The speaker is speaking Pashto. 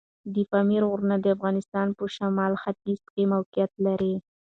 د پامیر غرونه د افغانستان په شمال ختیځ کې موقعیت لري.